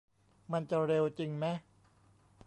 มันจะเร็วจริงแมะ